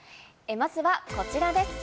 まずはこちらです。